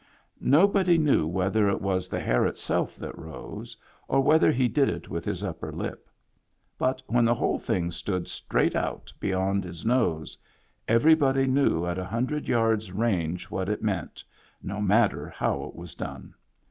Nobody knew whether it was the hair itself that rose, or whether he did it with his upper lip; but when the whole thing stood straight out beyond his nose, everybody knew at a hundred yards' range what it meant, no matter how it was done.